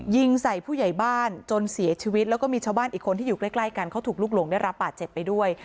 ยิงใส่ผู้ใหญ่บ้านจนเสียชีวิตแล้วก็มีชาวบ้านอีกคนที่อยู่ใกล้กันเขาถูกลุกหลงได้รับบาดเจ็บไปด้วย